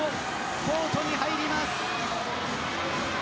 コートに入ります。